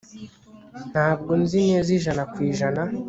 Ntabwo nzi neza ijana ku ijana